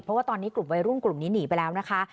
เพราะว่าตอนนี้กลุ่มวัยรุ่นกลุ่มนี้หนีไปแล้วนะคะ